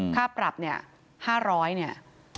ค่าปรับเนี่ย๕๐๐เนี่ย